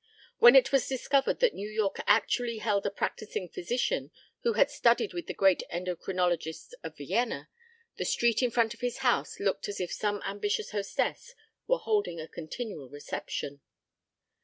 When it was discovered that New York actually held a practicing physician who had studied with the great endocrinologists of Vienna, the street in front of his house looked as if some ambitious hostess were holding a continual reception.